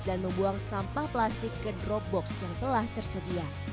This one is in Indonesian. dan membuang sampah plastik ke dropbox yang telah tersedia